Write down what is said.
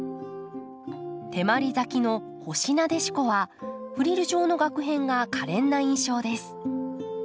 手まり咲きの「星なでしこ」はフリル状のがく片がかれんな印象です。